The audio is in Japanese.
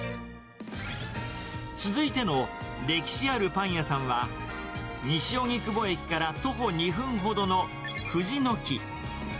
続いての歴史あるパン屋さんは、西荻窪駅から徒歩２分ほどの藤の木。